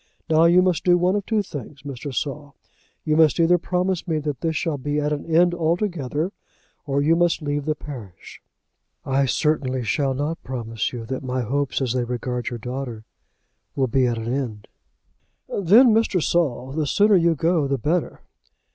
Now you must do one of two things, Mr. Saul. You must either promise me that this shall be at an end altogether, or you must leave the parish." "I certainly shall not promise you that my hopes as they regard your daughter will be at an end." "Then, Mr. Saul, the sooner you go the better."